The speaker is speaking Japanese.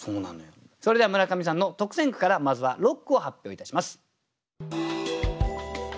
それでは村上さんの特選句からまずは六句を発表いたします。